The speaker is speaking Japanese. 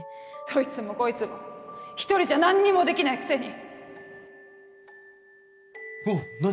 どいつもこいつも一人じゃ何にもできおっ何？